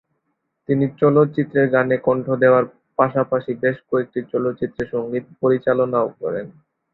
তিনি চলচ্চিত্রের গানে কন্ঠ দেওয়ার পাশাপাশি বেশ কয়েকটি চলচ্চিত্রে সঙ্গীত পরিচালনা করেন।